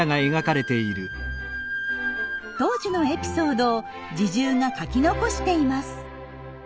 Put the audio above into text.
当時のエピソードを侍従が書き残しています。